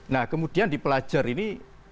nah kemudian di pelajar ini